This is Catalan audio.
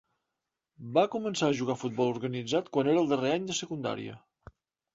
Va començar a jugar a futbol organitzat quan era al darrer any de secundària.